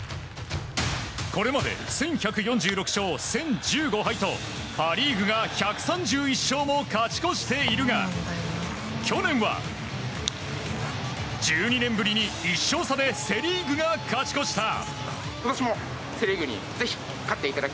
これまで１１４６勝１０１５敗とパリーグが１３１勝も勝ち越しているが去年は１２年ぶりに１勝差でセ・リーグが勝ち越した。